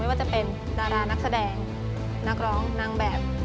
ว่าจะเป็นดารานักแสดงนักร้องนางแบบ